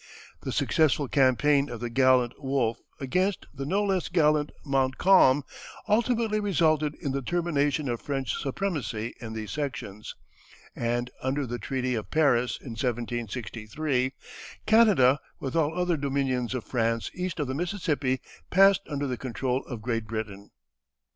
The successful campaign of the gallant Wolfe against the no less gallant Montcalm ultimately resulted in the termination of French supremacy in these sections, and under the treaty of Paris, in 1763, Canada with all other dominions of France east of the Mississippi passed under the control of Great Britain.